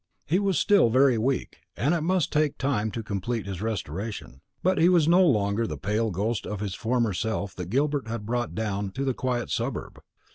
He was still very weak, and it must take time to complete his restoration; but he was no longer the pale ghost of his former self that Gilbert had brought down to the quiet suburb.